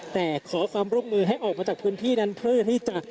แต่ขอความร่วมมือให้ออกมาจากพื้นที่นั้นเพื่อที่จะ